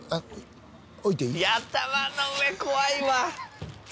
いや頭の上怖いわ。